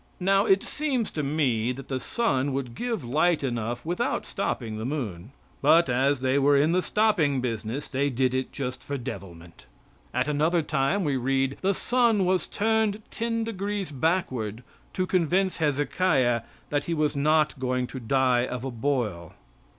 Now it seems to me that the sun would give light enough without stopping the moon; but as they were in the stopping business they did it just for devilment. At another time, we read, the sun was turned ten degrees backward to convince Hezekiah that he was not going to die of a boil.